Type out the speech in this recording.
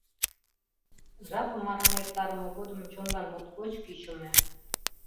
Жапым арам эртарыме годым чонлан моткоч кӱчымӧ.